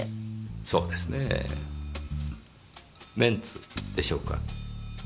そうですねぇメンツでしょうか？